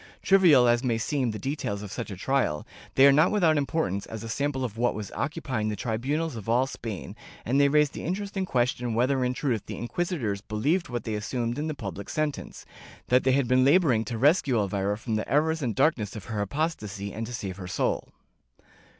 Trivial as may seem the details of such a trial, they are not without importance as a sample of what was occupying the tribunals of all Spain, and they raise the interesting question whether in truth the inquisitors believed what they assumed in the public sentence, that they had been laboring to rescue Elvira from the errors and darkness of her apostasy and to save her soul.